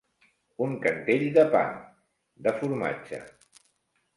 Un cantell de pa, de formatge.